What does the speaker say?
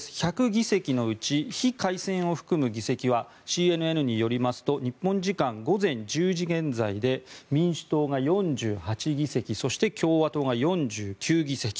１００議席のうち非改選を含む議席はＣＮＮによりますと日本時間午前１０時現在で民主党が４８議席そして共和党が４９議席。